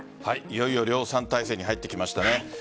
いよいよ量産態勢に入ってきましたね。